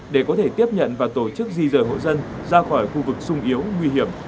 để có thể tiếp nhận và tổ chức di rời hộ dân ra khỏi khu vực sung yếu nguy hiểm